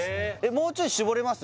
もうちょい絞れます？